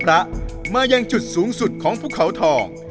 พระมายังจุดสูงสุดของภูเขาทอง